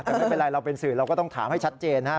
แต่ไม่เป็นไรเราเป็นสื่อเราก็ต้องถามให้ชัดเจนนะครับ